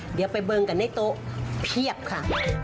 เดี๋ยวไปเบิ้งกันในโต๊ะเพียบค่ะ